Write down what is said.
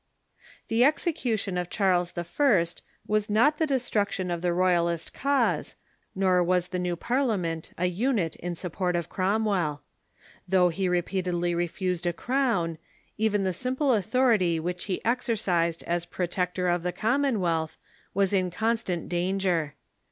The execution of Charles I. was not the destruction of the Royalist cause, nor was the new Parliament a unit in sup port of Cromwell. Though he repeatedly refused in Search of a crown, even the simple authority which he exer the Throne eised as Protector of the Commonwealth was in constant danger.